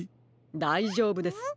だいじょうぶです。